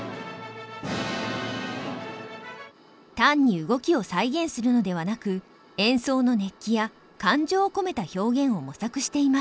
単に動きを再現するのではなく演奏の熱気や感情を込めた表現を模索しています。